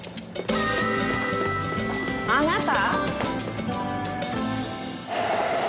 あなた。